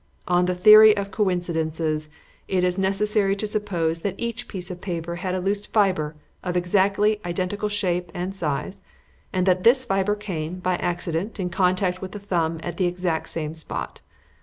On the theory of coincidences it is necessary to suppose that each piece of paper had a loose fibre of exactly identical shape and size and that this fibre came, by accident, in contact with the thumb at exactly the same spot.